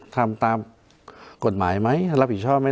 ทำตามกฎหมายไหมรับผิดชอบไหม